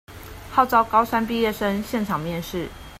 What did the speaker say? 號召高三畢業生現場面試